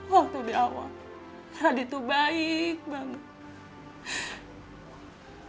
waktu dari awal radit itu baik banget